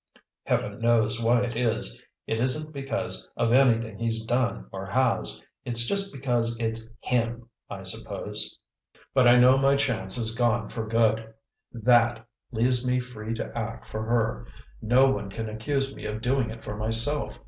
Heaven knows why it is; it isn't because of anything he's done or has, it's just because it's HIM, I suppose, but I know my chance is gone for good! THAT leaves me free to act for her; no one can accuse me of doing it for myself.